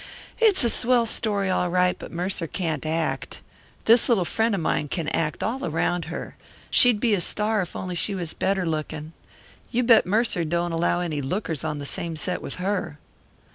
It's a swell story, all right, but Mercer can't act it. This little friend of mine can act all around her. She'd be a star if only she was better lookin'. You bet Mercer don't allow any lookers on the same set with her.